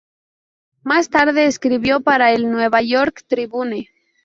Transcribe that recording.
Más tarde escribió para el "New York Tribune".